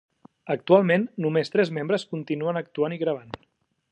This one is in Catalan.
Actualment, només tres membres continuen actuant i gravant.